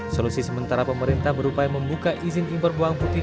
solusi sementara pemerintah berupaya membuka izin impor bawang putih